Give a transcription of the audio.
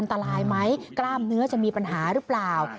ตลายไหมกล้ามเนื้อจะมีปัญหาหรือเปล่า